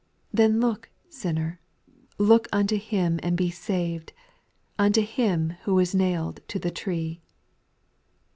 Then look, sinner, look unto Him and be saved, Unto Him who was nailed to the tree.